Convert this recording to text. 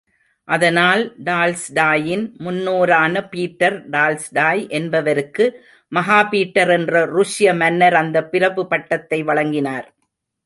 அதனால், டால்ஸ்டாயின் முன்னோரான Peter Tolstoy என்பவருக்கு, மகாபீட்டர் என்ற ருஷ்ய மன்னர் அந்தப் பிரபு பட்டத்தை வழங்கினார்.